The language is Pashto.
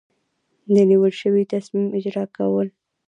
د نیول شوي تصمیم اجرا کول.